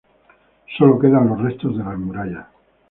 Sólo quedan los restos de las murallas.